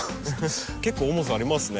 結構重さありますね。